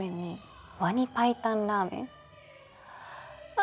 あ？